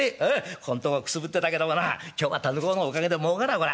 ここんとこくすぶってたけどもな今日はタヌ公のおかげでもうかるわこら。